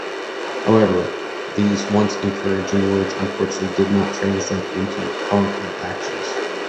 However, these once encouraging words, unfortunately, did not translate into concrete actions.